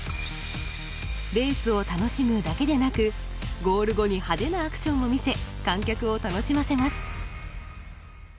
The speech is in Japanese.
レースを楽しむだけでなくゴール後に派手なアクションを見せ観客を楽しませます。